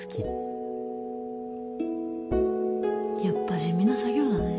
やっぱ地味な作業だね。